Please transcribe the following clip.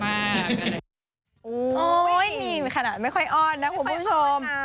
นี่ขนาดไม่ค่อยอ้อนนะคุณผู้ชม